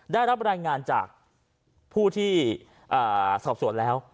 ได้รับรายงานจากผู้ที่สอบสวนแล้ว